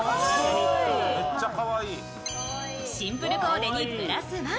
シンプルコーデにプラスワン。